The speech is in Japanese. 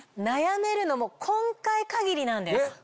悩めるのも今回限りなんです。